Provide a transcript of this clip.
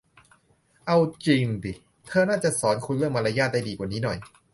เอาจริงดิ เธอน่าจะสอนคุณเรื่องมารยาทได้ดีกว่านี้หน่อย